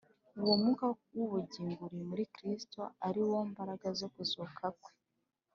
Uwo mwuka w’ubugingo uri muri Kristo, ari wo “mbaraga zo kuzuka kwe,